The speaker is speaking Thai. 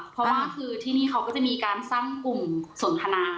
เพราะว่าคือที่นี่เขาก็จะมีการสร้างกลุ่มสนทนา